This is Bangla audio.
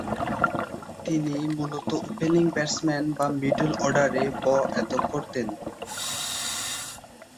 তিনি মূলত ওপেনিং ব্যাটসম্যান বা মিডল অর্ডারে ব এত করতেন।